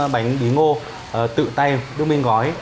bánh bí ngô tự tay đức minh gói